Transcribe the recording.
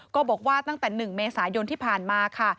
ก็บอกว่าตั้งแต่๑เมษายนที่ผ่านมาค่ะ